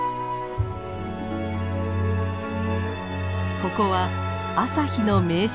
ここは朝日の名所。